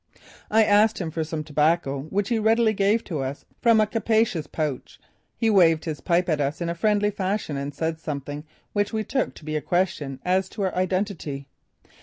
I asked him for some tobacco, which he readily gave to us from a capacious pouch. He waved his pipe at us in friendly fashion and said something which we took to be a question as to our identity.